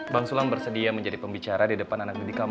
bang sulang bersedia menjadi pembicara di depan anak didik kamu